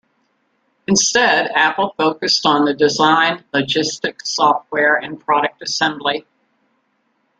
Instead, apple focused on the design, logistics, software and product assembly.